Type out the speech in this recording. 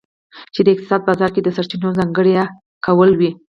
چې د اقتصاد بازار کې د سرچینو ځانګړي کول وي.